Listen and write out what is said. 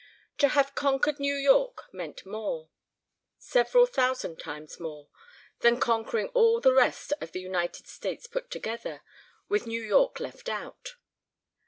To have conquered New York meant more several thousand times more than conquering all the rest of the United States put together, with New York left out.